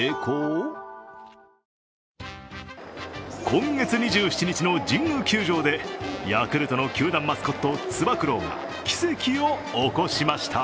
今月２７日の神宮球場でヤクルトの球団マスコットつば九郎が奇跡を起こしました。